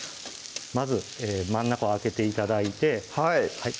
まず真ん中を空けて頂いてはい